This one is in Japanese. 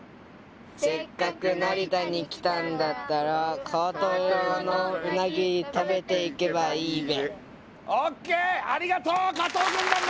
せっかく成田に来たんだったら川豊のうなぎ食べていけばいいべ！